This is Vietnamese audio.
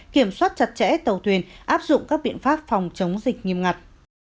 kiểm soát chặt chẽ tàu thuyền áp dụng các biện pháp phòng chống dịch nghiêm ngặt